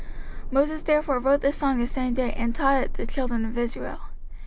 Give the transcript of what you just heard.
05:031:022 Moses therefore wrote this song the same day, and taught it the children of Israel.